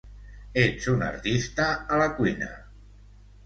Ets un artista a la cuina!